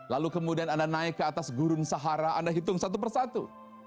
lalu kemudian anda naik ke atas gurun sahara anda hitung satu persatu